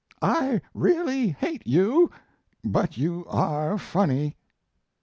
I really hate you, but you are funny.